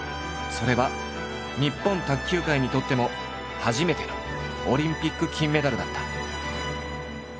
それは日本卓球界にとっても初めてのオリンピック金メダルだった。